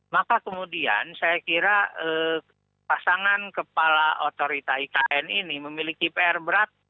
maka kemudian saya kira pasangan kepala otorita ikn ini memiliki pr berat